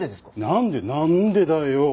なんで「なんでだよお」！